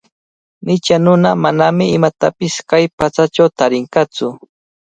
Micha nuna manami imatapish kay patsachaw tarinqatsu.